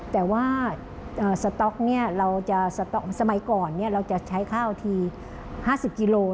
แต่ว่าสมัยก่อนเราจะใช้ข้าวที่๕๐กิโลกรัม